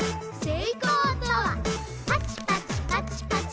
パチパチパチパチ